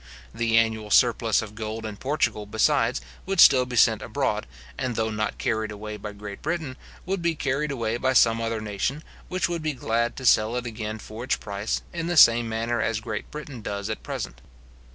The annual surplus of gold in Portugal, besides, would still be sent abroad, and though not carried away by Great Britain, would be carried away by some other nation, which would be glad to sell it again for its price, in the same manner as Great Britain does at present.